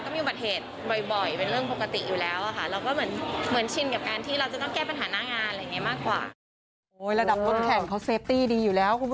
ไม่ค่ะคืออย่างที่ว่าแบบ